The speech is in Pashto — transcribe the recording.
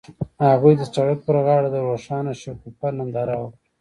هغوی د سړک پر غاړه د روښانه شګوفه ننداره وکړه.